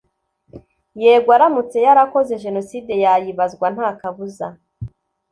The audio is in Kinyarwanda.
Yego aramutse yarakoze Jenoside yayibazwa ntakabuza.